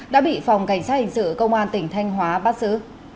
đã bị phòng cảnh sát hình sự công an tp hcm